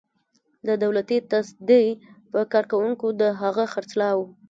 د دولتي تصدۍ په کارکوونکو د هغه خرڅلاو.